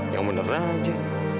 yang bener aja